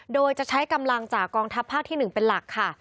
โดยจะใช้กำลังจากกองทัพภาคที่๑เป็นหลักค่ะ